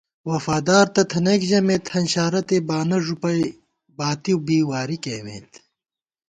وفادار تہ تھنَئیک ژَمېت، ہنشارَتے بانہ ݫُپَئ باتی بی واری کېئیمېت